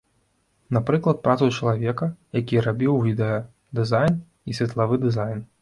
Напрыклад, працу чалавека, які рабіў відэадызайн і светлавы дызайн.